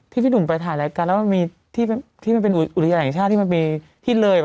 พี่หนุ่มไปถ่ายรายการแล้วมันมีที่มันเป็นอุทยานแห่งชาติที่มันมีที่เลย